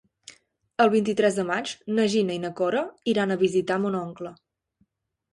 El vint-i-tres de maig na Gina i na Cora iran a visitar mon oncle.